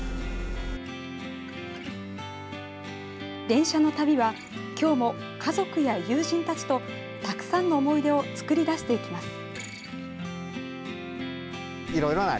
電車の旅はきょうも家族や友人たちとたくさんの思い出を作り出していきます。